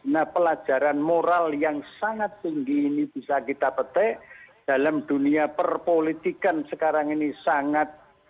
nah pelajaran moral yang sangat tinggi ini bisa kita petik dalam dunia perpolitikan sekarang ini sangat